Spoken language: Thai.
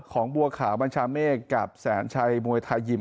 ของบัวขาวบัญชาเมฆกับแสนชัยมวยไทยยิม